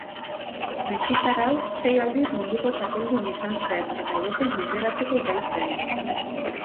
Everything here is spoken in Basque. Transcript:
Mexikar hau sei aldiz munduko txapeldun izan zen eta edozein menderatzeko gai zen.